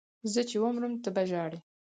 زه چې ومرم ته به ژاړې